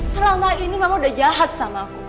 selama ini mama udah jahat sama aku